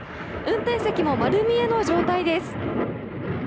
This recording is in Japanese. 運転席も丸見えの状態です。